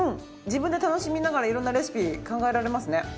自分で楽しみながら色んなレシピ考えられますね。